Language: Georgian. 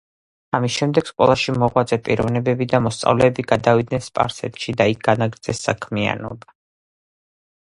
ამის შემდეგ სკოლაში მოღვაწე პიროვნებები და მოსწავლეები გადავიდნენ სპარსეთში და იქ განაგრძეს საქმიანობა.